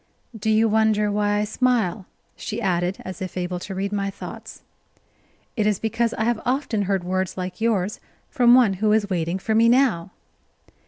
"Do you wonder why I smile?" she added, as if able to read my thoughts. "It is because I have often heard words like yours from one who is waiting for me now."